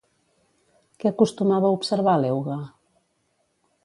Què acostumava a observar l'euga?